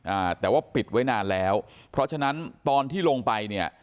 อ่าแต่ว่าปิดไว้นานแล้วเพราะฉะนั้นตอนที่ลงไปเนี่ย